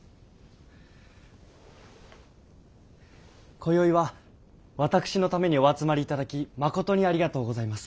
今宵は私のためにお集まりいただき誠にありがとうございます。